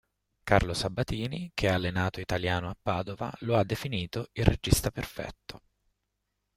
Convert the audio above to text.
Carlo Sabatini, che ha allenato Italiano a Padova, lo ha definito "il regista perfetto".